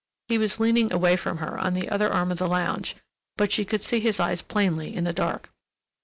He was leaning away from her on the other arm of the lounge, but she could see his eyes plainly in the dark.